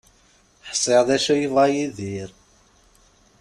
Ḥṣiɣ d acu yebɣa Yidir.